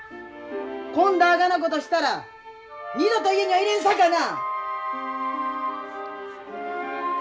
今度あがなことしたら二度と家には入れんさかな！